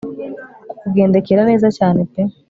kukugendekera neza cyane pe